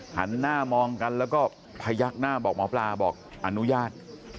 หันหน้ามองกันแล้วก็พยักหน้าบอกหมอปลาบอกอนุญาต